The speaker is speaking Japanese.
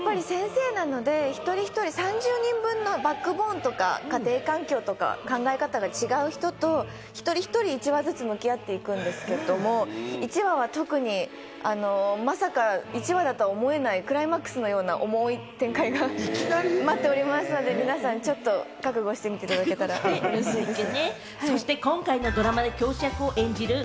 やっぱり先生なので一人一人、３０人分のバックボーンとか家庭環境とか考え方が違う人とも一人一人、１話ずつ向き合っていくんですけれども、第１話は特に、まさか第１話だとは思えないくらいマックスのような重い展開が待っておりますので、皆さん、覚悟して見ていただけたら、うれしいです。